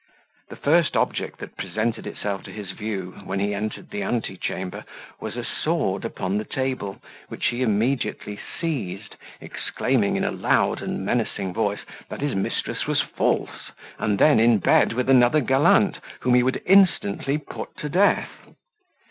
The first object that presented itself to his view, when he entered the antechamber, was a sword upon the table, which he immediately seized, exclaiming, in a loud and menacing voice, that his mistress was false, and then in bed with another gallant, whom he would instantly put to death.